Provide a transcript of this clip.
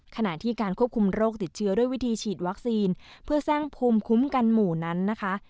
ขณะที่การควบคุมโรคติดเชื้อด้วยวิธีฉีดวัคซีนเพื่อสร้างภูมิคุ้มกันหมู่นั้นนะคะ